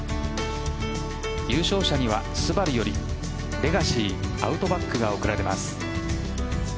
優勝者にはスバルよりレガシィアウトバックが贈られます。